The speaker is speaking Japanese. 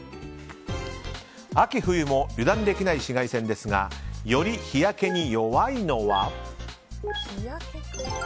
秋冬も油断できない紫外線ですがより日焼けに弱いのは。